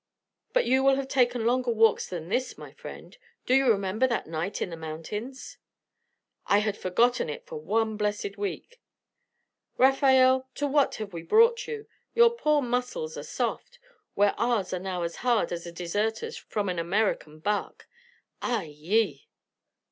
But you have taken longer walks than this, my friend. Do you remember that night in the mountains?" "I had forgotten it for one blessed week. Rafael, to what have we brought you? Your poor muscles are soft, where ours are now as hard as a deserter's from an American barque ay, yi!"